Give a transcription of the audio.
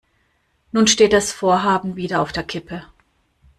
Nun steht das Vorhaben wieder auf der Kippe.